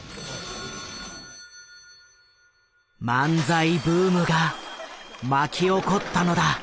☎「漫才ブーム」が巻き起こったのだ。